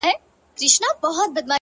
• له وهلو له ښکنځلو دواړو خلاص وو ,